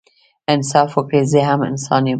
انصاف وکړئ زه هم انسان يم